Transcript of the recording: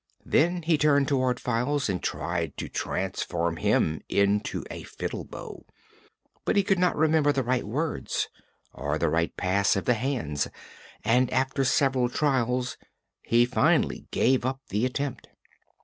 Then he turned toward Files and tried to transform him into a fiddle bow. But he could not remember the right words or the right pass of the hands and after several trials he finally gave up the attempt.